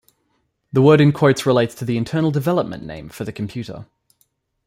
The word in quotes relates to the internal development name for the computer.